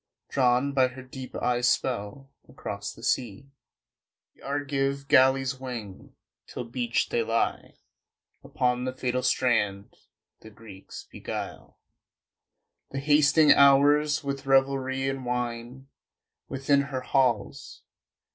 Drawn by her deep eyes' spell, across the sea The Argive galleys wing, till beached they lie Upon the fatal strand. The Greeks beguile The hasting hours with revelry and wine Within her halls....